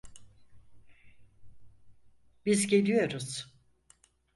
Biz geliyoruz.